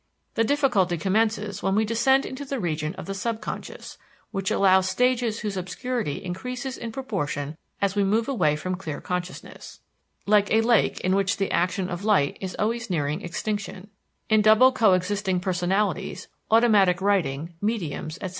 The difficulty commences when we descend into the region of the subconscious, which allows stages whose obscurity increases in proportion as we move away from clear consciousness, "like a lake in which the action of light is always nearing extinction" (in double coexisting personalities, automatic writing, mediums, etc.).